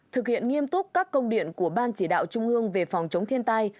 thực hiện nghiêm túc các công điện của ban chỉ đạo trung ương về phòng chống thiên tai